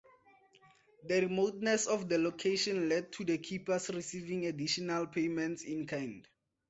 The remoteness of the location led to the keepers receiving additional payments in kind.